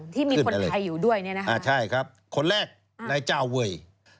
ที่มีคนไทยอยู่ด้วยเนี่ยนะคะอ่าใช่ครับคนแรกนายเจ้าเวย